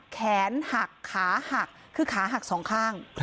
แขนหักขาหักคือขาหักสองข้าง